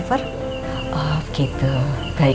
macam mana ini rumahnya